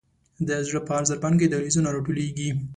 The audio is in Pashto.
د زړه په هر ضربان کې دهلیزونه را ټولیږي.